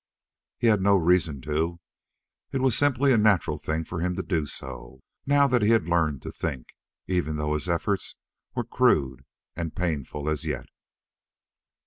He had no reason to. It was simply a natural thing for him to do so, now that he had learned to think even though his efforts were crude and painful as yet.